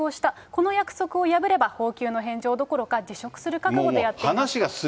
この約束を破れば、公給の返上どころか辞職する覚悟でやっていますと。